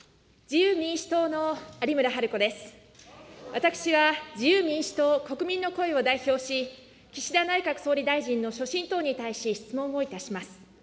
私は自由民主党・国民の声を代表し、岸田内閣総理大臣の所信等に対し質問をいたします。